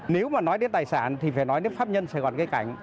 nếu mà nói đến tài sản thì phải nói đến pháp nhân sài gòn gây cảnh